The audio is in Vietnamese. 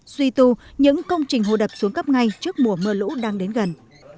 duy tu những công trình hồ đập xuống cấp ngay trước mùa mưa lũ đang đến gần